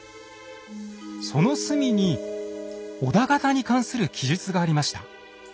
その隅に織田方に関する記述がありました。